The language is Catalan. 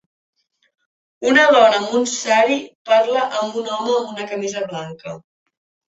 Una dona amb un sari parla amb un home amb una camisa blanca.